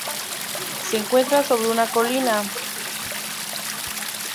Se encuentra sobre una colina.